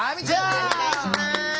はいお願いします。